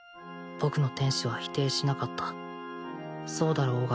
僕の天使は否定しなかったそうだろ？